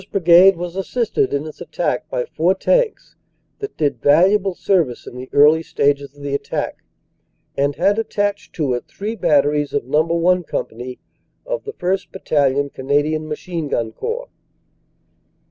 Brigade was assisted in its attack by four tanks that did valuable service in the early stages of the attack, and had attached to it three batteries of No. 1 Company of the 1st. Battalion Canadian Machine Gun Corps.